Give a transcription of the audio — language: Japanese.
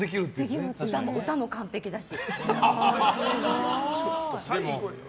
歌も完璧だし。